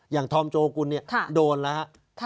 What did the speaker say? อย่างธอมโจกุลเนี่ยโดนล่ะครับ